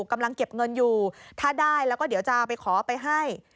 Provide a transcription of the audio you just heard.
กำลังเก็บเงินอยู่ถ้าได้แล้วก็เดี๋ยวจะไปขอไปให้